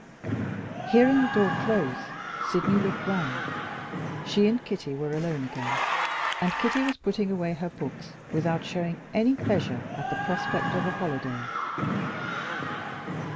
Hearing the door close, Sydney looked round. She and Kitty were alone again; and Kitty was putting away her books without showing any pleasure at the prospect of a holiday.